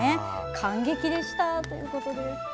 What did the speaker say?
感激でしたということです。